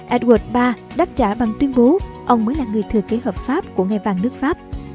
edward iii đáp trả bằng tuyên bố ông mới là người thừa kế hợp pháp của ngài vàng nước pháp